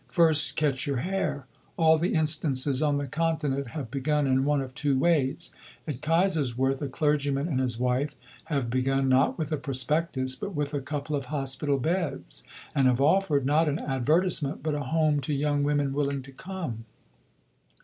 First catch your hare. All the instances on the Continent have begun in one of two ways. At Kaiserswerth, a clergyman and his wife have begun, not with a Prospectus, but with a couple of hospital beds, and have offered, not an advertisement, but a home to young women willing to come.